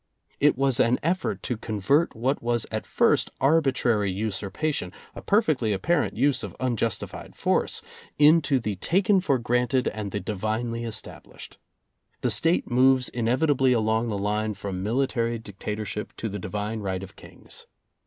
It was an effort to convert what was at first arbitrary usurpation, a perfectly apparent use of unjustified force, into the taken for granted and the divinely established. The State moves inevitably along the line from military dictator ship to the divine right of Kings.